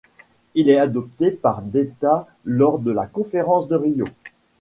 Il est adopté par d’État lors de la Conférence de Rio.